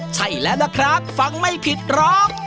ใช่แล้วล่ะครับฟังไม่ผิดร้อง